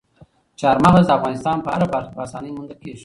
چار مغز د افغانستان په هره برخه کې په اسانۍ موندل کېږي.